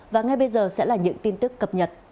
và ngay bây giờ sẽ là những tin tức cập nhật